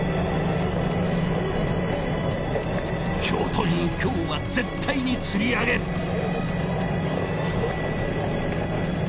今日という今日は絶対に釣りあげる！